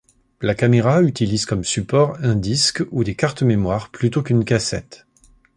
La caméra utilise comme support un disque ou des cartes mémoires plutôt qu'une cassette.